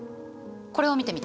これを見てみて。